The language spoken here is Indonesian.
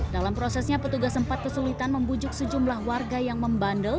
dalam prosesnya petugas sempat kesulitan membujuk sejumlah warga yang membandel